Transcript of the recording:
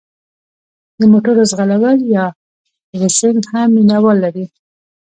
د موټرو ځغلول یا ریسینګ هم مینه وال لري.